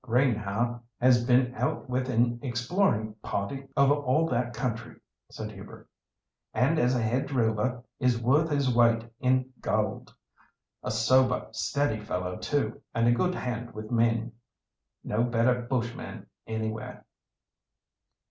"Greenhaugh has been out with an exploring party over all that country," said Hubert; "and as a head drover is worth his weight in gold. A sober, steady fellow, too, and a good hand with men. No better bushman anywhere."